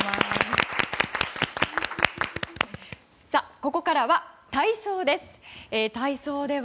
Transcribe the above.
ここからは体操です。